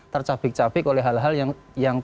tercabik cabik oleh hal hal yang